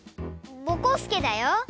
ぼこすけだよ。